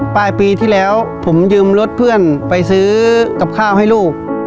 ปลายปีที่แล้วผมยืมรถเพื่อนไปซื้อกับข้าวให้ลูก